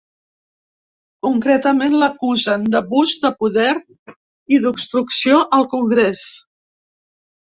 Concretament l’acusen d’abús de poder i d’obstrucció al congrés.